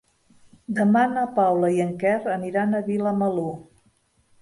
Demà na Paula i en Quer aniran a Vilamalur.